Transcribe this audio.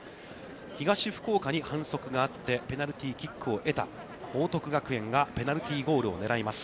東福岡に反則があって、ペナルティーキックを得た報徳学園がペナルティーゴールをねらいます。